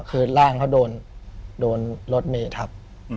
เพราะโดนรถเมธับ